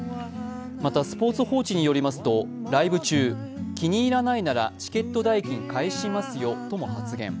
また、「スポーツ報知」によりますとライブ中、気に入らないなら返しますよなどとも発言。